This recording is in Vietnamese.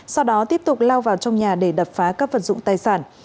sau đó tiếp tục lao vào trong nhà để đập phá các vật dụng tài sản